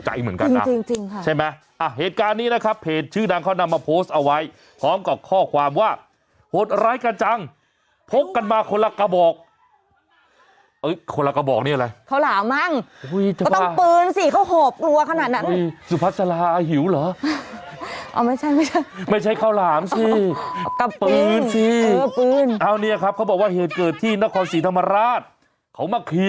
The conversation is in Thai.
เจอเหตุการณ์อย่างนี้เราก็ตกใจเหมือนกันนะ